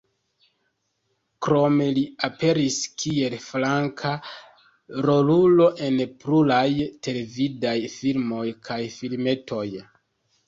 Krome li aperis kiel flanka rolulo en pluraj televidaj filmoj kaj filmetoj.